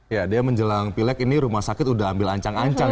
ya dia menjelang pilek ini rumah sakit udah ambil ancang ancang